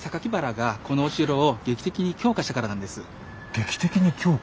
劇的に強化？